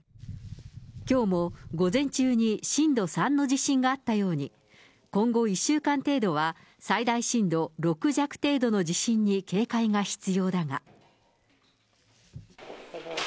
きょうも午前中に震度３の地震があったように、今後１週間程度は最大震度６弱程度の地震に警戒が必要だが。